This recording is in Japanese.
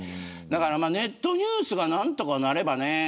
ネットニュースが何とかなればね